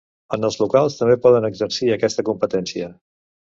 Els ens locals també poden exercir aquesta competència.